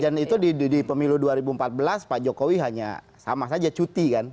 itu di pemilu dua ribu empat belas pak jokowi hanya sama saja cuti kan